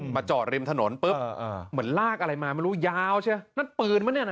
จอดริมถนนปุ๊บเหมือนลากอะไรมาไม่รู้ยาวใช่ไหมนั่นปืนปะเนี่ยนะ